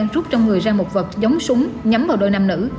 rút trong người ra một vật giống súng nhắm vào đôi nam nữ